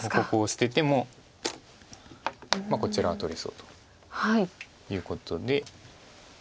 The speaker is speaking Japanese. こここう捨ててもこちらは取れそうということで。